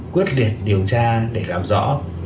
quyết liệt điều tra để làm rõ